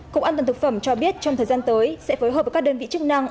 cục an toàn thực phẩm cho biết trong thời gian tới sẽ phối hợp với các đơn vị chức năng